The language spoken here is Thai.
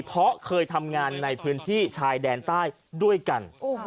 เพราะเคยทำงานในพื้นที่ชายแดนใต้ด้วยกัน